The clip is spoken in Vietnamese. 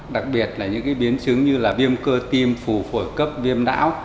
đặc biệt là những biến chứng như viêm cơ tim phủ phổi cấp viêm đảo